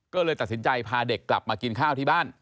ก็เลยตัดสินใจพาเด็กกลับมากินข้าวที่บ้าน